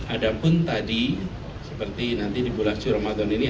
adapun tadi seperti nanti di bulan ramadan ini